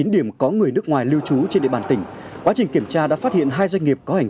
chín điểm có người nước ngoài lưu trú trên địa bàn tỉnh quá trình kiểm tra đã phát hiện hai doanh